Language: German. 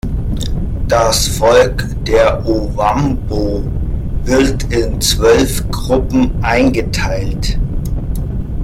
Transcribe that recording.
Das Volk der Ovambo wird in zwölf Gruppen eingeteilt.